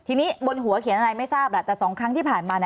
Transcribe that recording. ทีนี้บนหัวเขียนอะไรไม่ทราบแหละแต่๒ครั้งที่ผ่านมา